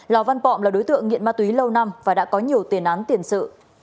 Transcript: lò văn bọm là đối tượng nghiện ma túy lâu năm và đã có nhiều tiền án tiền sự